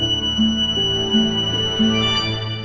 sudah betah di cilawas pak ustadz